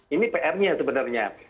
ini pr nya sebenarnya